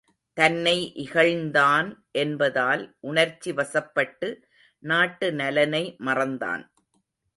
தன்னை இகழ்ந்தான் என்பதால் உணர்ச்சி வசப்பட்டு நாட்டு நலனை மறந்தான்.